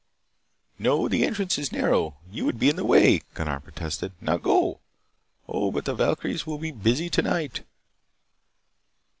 "No. The entrance is narrow. You would be in the way," Gunnar protested. "Now, go! Oh, but the valkyries will be busy tonight!"